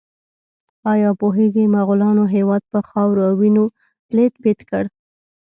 ایا پوهیږئ مغولانو هېواد په خاورو او وینو لیت پیت کړ؟